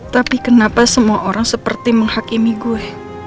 tapi kenapa semua orang seperti menghakimi gue